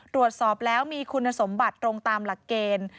ตรวจสอบแล้วมีคุณสมบัติตรงตามหลักเกณฑ์